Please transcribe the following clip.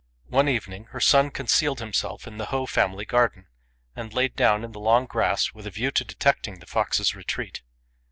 One evening her son concealed himself in the Ho family garden, and lay down in the long grass with a view to detecting the fox's retreat.